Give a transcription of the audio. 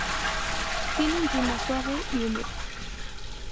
Tiene un clima suave y húmedo.